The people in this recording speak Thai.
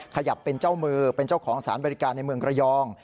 ขยับเป็นเจ้ามือเป็นเจ้าของสารบริการในเมืองระยอง